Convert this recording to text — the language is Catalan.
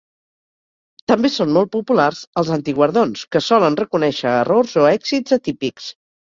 També són molt populars els "antiguardons", que solen reconèixer errors o èxits atípics.